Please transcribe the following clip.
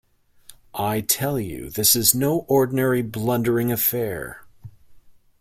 I tell you this is no ordinary blundering affair.